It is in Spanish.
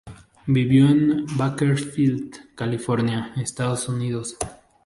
Vivió en Bakersfield, California, Estados Unidos.